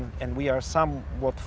dan kita sudah jauh dari itu